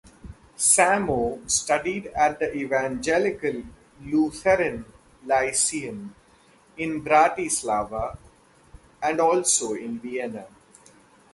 Samo studied at the Evangelical Lutheran Lyceum in Bratislava and also in Vienna.